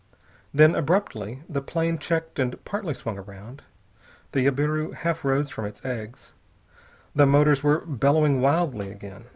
Then, abruptly, the plane checked and partly swung around. The jabiru half rose from its eggs. The motors were bellowing wildly again.